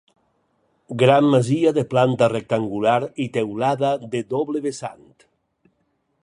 Gran masia de planta rectangular i teulada de doble vessant.